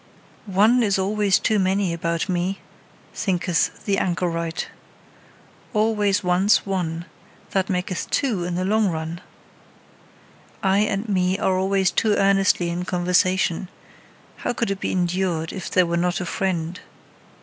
"One, is always too many about me" thinketh the anchorite. "Always once one that maketh two in the long run!" I and me are always too earnestly in conversation: how could it be endured, if there were not a friend?